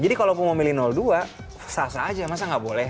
jadi kalau mau memilih dua susah saja masa gak boleh